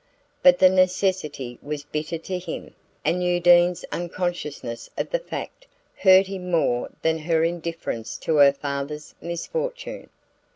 But the necessity was bitter to him, and Undine's unconsciousness of the fact hurt him more than her indifference to her father's misfortune.